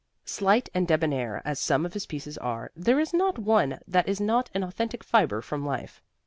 Slight and debonair as some of his pieces are, there is not one that is not an authentic fiber from life.